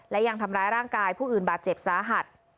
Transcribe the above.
และยังทำร้ายร่างกายผู้อื่นบาดเจ็บสาหัส